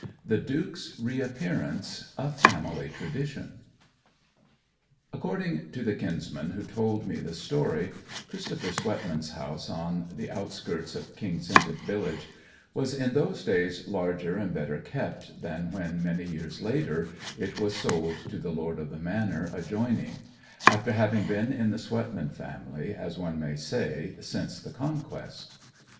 THE DUKE'S REAPPEARANCE A FAMILY TRADITION According to the kinsman who told me the story, Christopher Swetman's house, on the outskirts of King's Hintock village, was in those days larger and better kept than when, many years later, it was sold to the lord of the manor adjoining; after having been in the Swetman family, as one may say, since the Conquest.